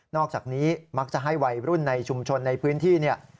อกจากนี้มักจะให้วัยรุ่นในชุมชนในพื้นที่เนี่ย